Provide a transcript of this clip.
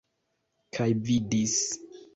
Kaj vidis.